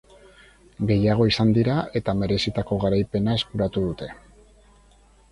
Gehiago izan dira eta merezitako garaipena eskuratu dute.